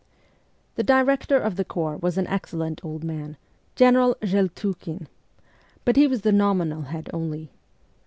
The director of the corps was an excellent old man, General Zheltukhin. But he was the nominal head only.